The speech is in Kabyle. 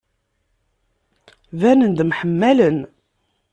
Banen-d mḥemmalen.